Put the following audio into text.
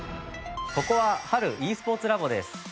ここはＨＡＬｅスポーツラボです。